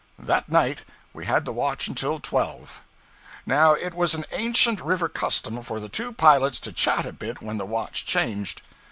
That night we had the watch until twelve. Now it was an ancient river custom for the two pilots to chat a bit when the watch changed.